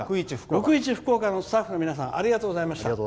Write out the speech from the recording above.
「ロクいち！福岡」のスタッフの皆さんどうもありがとうございました。